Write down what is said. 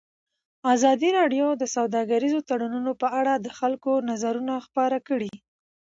ازادي راډیو د سوداګریز تړونونه په اړه د خلکو نظرونه خپاره کړي.